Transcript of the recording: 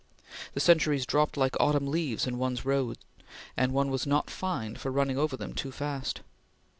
The centuries dropped like autumn leaves in one's road, and one was not fined for running over them too fast.